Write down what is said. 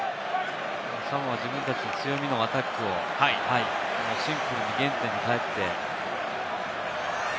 サモアは自分たちの強みのアタックをシンプルに原点に返って。